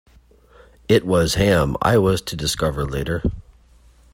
It was ham, I was to discover later.